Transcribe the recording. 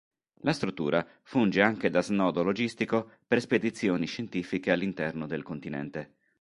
La struttura funge anche da snodo logistico per spedizioni scientifiche all'interno del continente.